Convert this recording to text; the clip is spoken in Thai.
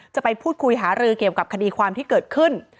จะไปพูดคุยหารือเกี่ยวกับคดีความที่เกิดขึ้น